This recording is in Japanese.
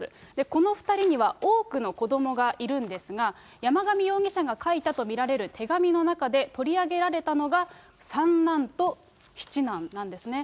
この２人には多くの子どもがいるんですが、山上容疑者が書いたと見られる手紙の中で取り上げられたのが、三男と七男なんですね。